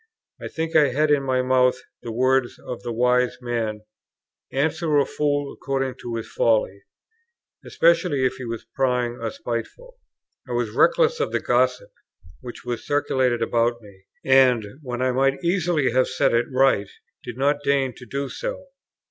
I think I had in my mouth the words of the Wise man, "Answer a fool according to his folly," especially if he was prying or spiteful. I was reckless of the gossip which was circulated about me; and, when I might easily have set it right, did not deign to do so.